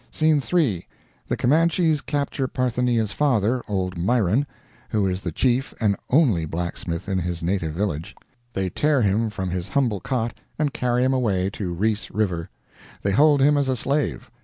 Scene 3.—The Comanches capture Parthenia's father, old Myron (who is the chief and only blacksmith in his native village) they tear him from his humble cot, and carry him away, to Reese River. They hold him as a slave.